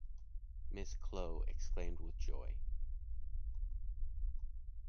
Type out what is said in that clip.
Mrs. Chole exclaimed with joy: